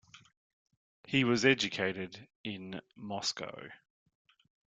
He was educated in Moscow.